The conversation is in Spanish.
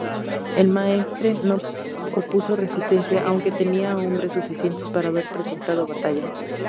El maestre no opuso resistencia, aunque tenía hombres suficientes para haber presentado batalla.